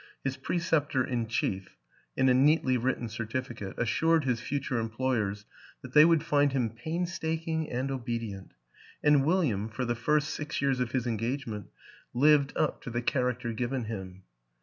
His pre ceptor in chief, in a neatly written certificate, as sured his future employers that they would find him painstaking and obedient and William, for the first six years of his engagement, lived up to 2 WILLIAM AN ENGLISHMAN the character given him.